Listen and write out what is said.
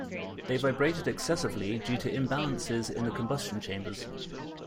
They vibrated excessively due to imbalances in the combustion chambers.